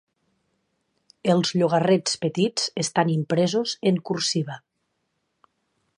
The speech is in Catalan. Els llogarets petits estan impresos "en cursiva".